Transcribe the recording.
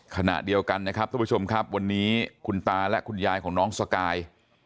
ขณะเดียวกันนะครับทุกผู้ชมครับวันนี้คุณตาและคุณยายของน้องสกาย